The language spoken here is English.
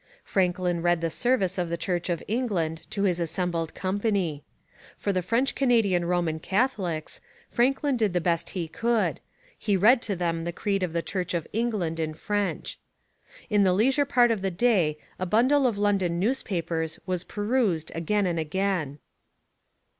Franklin read the service of the Church of England to his assembled company. For the French Canadian Roman Catholics, Franklin did the best he could; he read to them the creed of the Church of England in French. In the leisure part of the day a bundle of London newspapers was perused again and again.